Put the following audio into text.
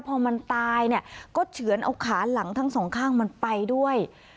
พอมันตายเนี่ยก็เฉือนเอาขาหลังทั้งสองข้างมันไปด้วย